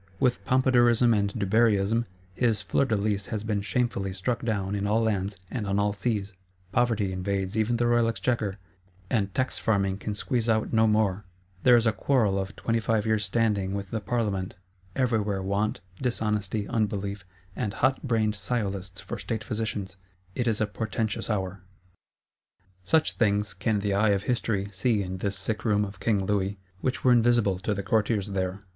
With Pompadourism and Dubarryism, his Fleur de lis has been shamefully struck down in all lands and on all seas; Poverty invades even the Royal Exchequer, and Tax farming can squeeze out no more; there is a quarrel of twenty five years' standing with the Parlement; everywhere Want, Dishonesty, Unbelief, and hotbrained Sciolists for state physicians: it is a portentous hour. Such things can the eye of History see in this sick room of King Louis, which were invisible to the Courtiers there.